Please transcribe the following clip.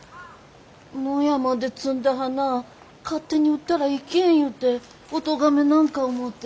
野山で摘んだ花勝手に売ったらいけん言うておとがめなんか思うて。